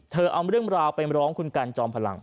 เธอเอาเรื่องราวไปร้องคุณกรรมพลัง